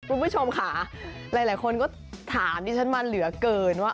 คุณผู้ชมค่ะหลายคนก็ถามดิฉันมาเหลือเกินว่า